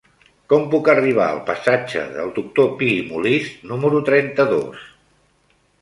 Com puc arribar al passatge del Doctor Pi i Molist número trenta-dos?